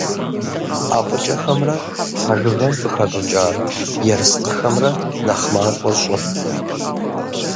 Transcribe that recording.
ӀэфӀыкӀэхэмрэ хьэжыгъэм къыхэщӀыкӀа ерыскъыхэмрэ нэхъ мащӀэ щӀы.